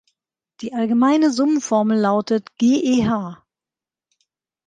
Die allgemeine Summenformel lautet GeH.